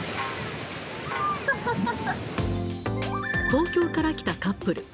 東京から来たカップル。